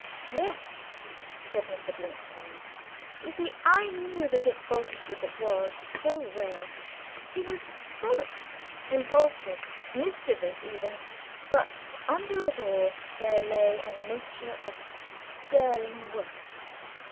"Yes," said Mr. Blinkhorn. "You see I knew the Dick Bultitude that was, so well; he was frolicksome, impulsive, mischievous even, but under it all there lay a nature of sterling worth."